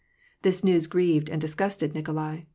This news grieved and disgusted Nikolai.